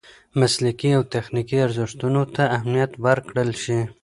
مسلکي او تخنیکي ارزښتونو ته اهمیت ورکړل شي.